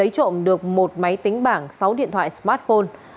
trộm được một máy tính bảng sáu điện thoại smartphone